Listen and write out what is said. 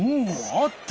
あった！